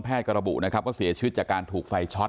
แพทย์กระระบุนะครับก็เสียชีวิตจากการถูกไฟช็อต